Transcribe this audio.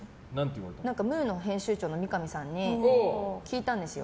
「ムー」の編集長のミカミさんに聞いたんですよ。